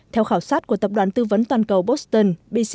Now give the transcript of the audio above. theo khảo sát của tập đoàn tư vấn toàn cầu boston